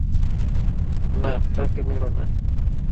না, তাকে মেরো না!